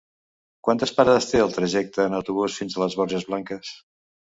Quantes parades té el trajecte en autobús fins a les Borges Blanques?